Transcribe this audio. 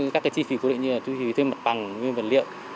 các chi phí cố định như thuê mặt bằng nguyên vật liệu